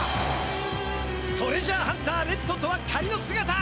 トレジャーハンターレッドとは仮のすがた！